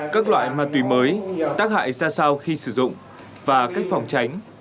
các loại ma túy mới tác hại ra sao khi sử dụng và cách phòng tránh